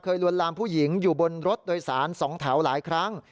ลวนลามผู้หญิงอยู่บนรถโดยสาร๒แถวหลายครั้ง